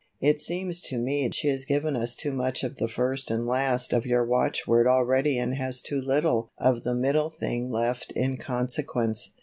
It seems to me she has given us too much of the first and last of your watchword already and has too little of the middle thing left in consequence."